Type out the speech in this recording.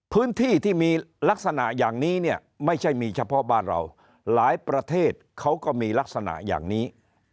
พื้นที่ที่มีลักษณะอย่างนี้เนี่ยไม่ใช่มีเฉพาะบ้านเราหลายประเทศเขาก็มีลักษณะอย่างนี้